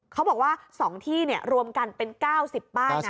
เขาบอกว่า๒ที่รวมกันเป็น๙๐ป้ายนะ